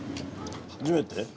初めて？